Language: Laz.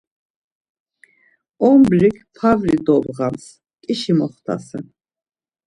Ombrik pavri dobğams, ǩişi moxtasen.